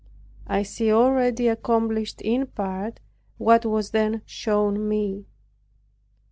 I see already accomplished in part what was then shown me.